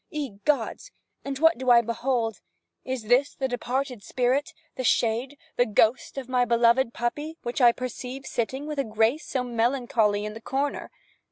Ye gods! and what do I behold—is that the departed spirit, the shade, the ghost, of my beloved puppy, which I perceive sitting with a grace so melancholy, in the corner?